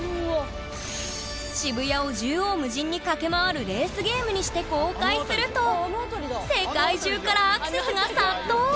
渋谷を縦横無尽に駆け回るレースゲームにして公開すると世界中からアクセスが殺到！